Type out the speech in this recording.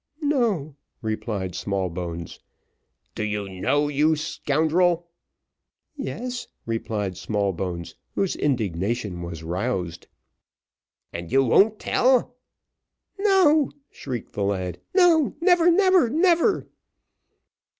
"No," replied Smallbones. "Do you know, you scoundrel?" "Yes," replied Smallbones, whose indignation was roused. "And you won't tell?" "No," shrieked the lad "no, never, never, never!"